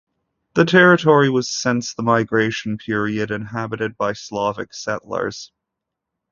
The territory was since the Migration Period inhabited by Slavic settlers.